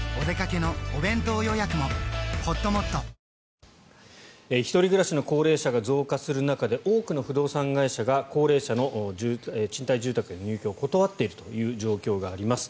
ニトリ１人暮らしの高齢者が増加する中で多くの不動産会社が高齢者の賃貸住居への入居を断っているという状況があります。